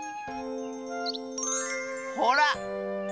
ほら！